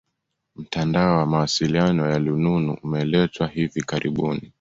Mtandao wa mawasiliano ya lununu umeletwa hivi karibuni